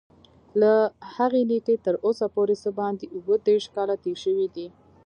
له هغې نېټې تر اوسه پورې څه باندې اووه دېرش کاله تېر شوي دي.